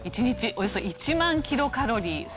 １日およそ１万キロカロリー。